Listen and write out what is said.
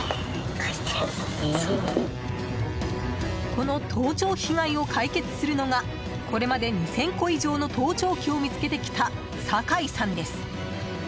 この盗聴被害を解決するのがこれまで２０００個以上の盗聴器を見つけてきた酒井さんです。